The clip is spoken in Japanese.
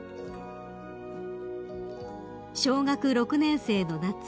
［小学６年生の夏